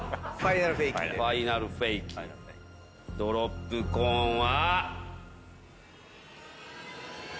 ドロップコーンは。